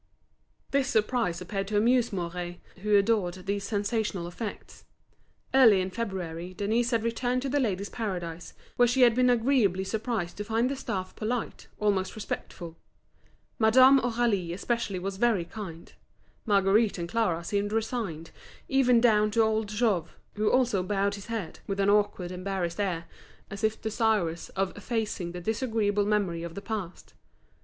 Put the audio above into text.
This surprise appeared to amuse Mouret, who adored these sensational effects. Early in February Denise had returned to The Ladies' Paradise, where she had been agreeably surprised to find the staff polite, almost respectful. Madame Aurélie especially was very kind; Marguerite and Clara seemed resigned; even down to old Jouve, who also bowed his head, with an awkward embarrassed air, as if desirous of effacing the disagreeable memory of the past.